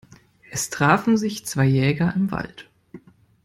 Es trafen sich zwei Jäger im Wald.